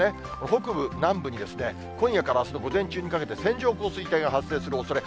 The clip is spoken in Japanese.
北部、南部にですね、今夜からあすの午前中にかけて線状降水帯が発生するおそれ。